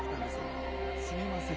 すみません。